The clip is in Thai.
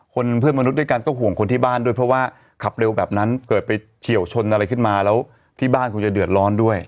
เพื่อนมนุษย์ด้วยกันก็ห่วงคนที่บ้านด้วยเพราะว่าขับเร็วแบบนั้นเกิดไปเฉียวชนอะไรขึ้นมาแล้วที่บ้านคงจะเดือดร้อนด้วย